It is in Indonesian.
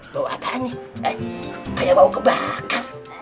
bau atasnya kayak bau kebakar